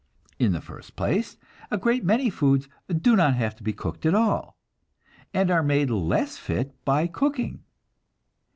In the first place, a great many foods do not have to be cooked at all, and are made less fit by cooking.